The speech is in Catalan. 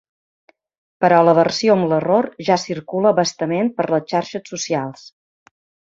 Però la versió amb l’error ja circula a bastament per les xarxes socials.